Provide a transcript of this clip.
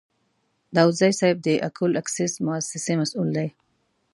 داودزی صیب د اکول اکسیس موسسې مسوول دی.